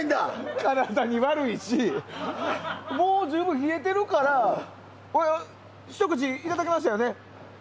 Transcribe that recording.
体に悪いしもう十分冷えてるからひと口いただきましたよね？